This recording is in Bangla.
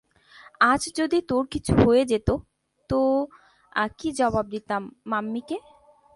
আজ যদি তোর কিছু হয়ে যেত, তো কি জবাব দিতাম মাম্মি কে?